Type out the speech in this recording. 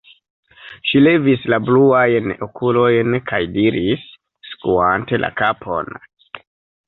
Ŝi levis la bluajn okulojn kaj diris, skuante la kapon: